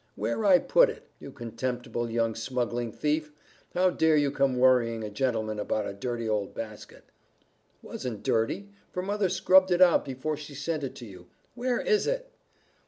"Where I put it. You contemptible young smuggling thief! How dare you come worrying a gentleman about a dirty old basket!" "Wasn't dirty, for mother scrubbed it out before she'd send it to you. Where is it?"